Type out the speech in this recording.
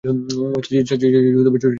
চাচি, ছোটি ঠিক আছে।